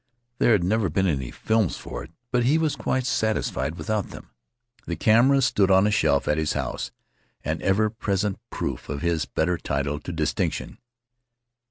There had never been any films for it, but he was quite satisfied without them. The camera stood on a shelf at his house, an ever present proof of his better title to distinction.